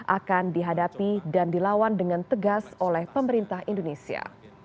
akan dihadapi dan dilawan dengan tegas oleh pemerintah indonesia